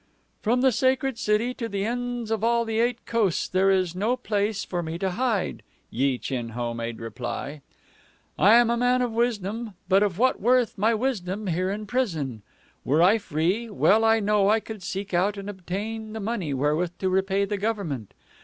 "From the Sacred City to the ends of all the Eight Coasts there is no place for me to hide," Yi Chin Ho made reply. "I am a man of wisdom, but of what worth my wisdom here in prison? Were I free, well I know I could seek out and obtain the money wherewith to repay the government.